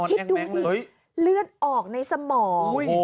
คิดดูสิเลือดออกในสมอง